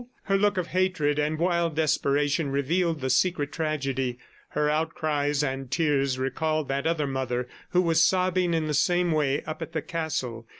Her look of hatred and wild desperation revealed the secret tragedy; her outcries and tears recalled that other mother who was sobbing in the same way up at the castle.